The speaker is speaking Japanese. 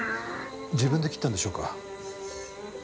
自分で切ったんでしょうか？